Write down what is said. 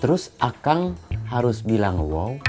terus akang harus bilang wow